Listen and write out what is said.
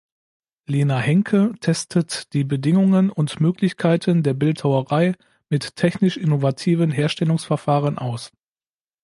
Lena Henke testet die Bedingungen und Möglichkeiten der Bildhauerei mit technisch innovativen Herstellungsverfahren aus.